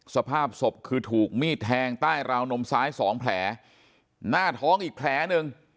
สภาพศพคือถูกมีดแทงใต้ราวนมซ้ายสองแผลหน้าท้องอีกแผลหนึ่ง